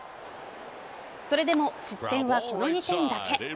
それでも失点はこの２点だけ。